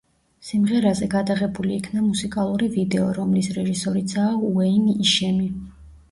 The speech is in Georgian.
სიმღერაზე გადაღებული იქნა მუსიკალური ვიდეო, რომლის რეჟისორიცაა უეინ იშემი.